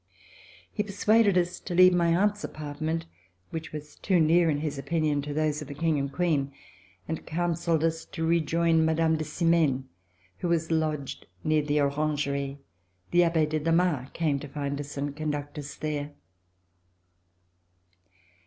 He persuaded us to leave my aunt's apartment, which was too near, in his opinion, to those of the King and Queen, and counselled us to rejoin Mme. de Simaine, who was lodged near the Orangerie. The Abbe de Damas came to find us and conduct us there.